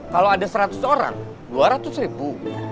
kalau ada seratus orang dua ratus ribu